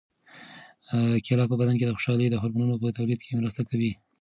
کیله په بدن کې د خوشالۍ د هورمونونو په تولید کې مرسته کوي.